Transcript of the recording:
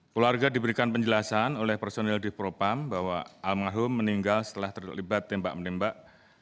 keluarga diberikan penjelasan oleh personil di propam bahwa almarhum meninggal setelah terlibat tembak menembak